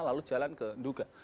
lalu jalan ke nduga